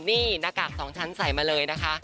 นี่หน้ากากสองชั้นใส่มาเลยนะคะ